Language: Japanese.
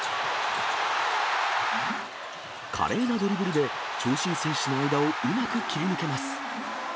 華麗なドリブルで長身選手の間をうまく切り抜けます。